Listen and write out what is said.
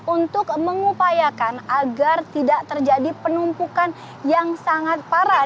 untuk mengupayakan agar tidak terjadi penumpukan yang sangat parah